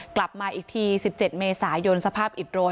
กลับมาอีกที๑๗เมษายนสภาพอิดโรย